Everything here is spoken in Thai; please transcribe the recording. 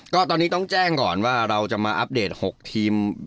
ก็ตอนนี้ต้องแจ้งก่อนว่าเราจะมาอัปเดต๖ทีม